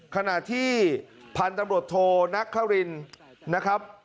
ขณะที่พันธุ์ตำรวจโทนักครินนะครับ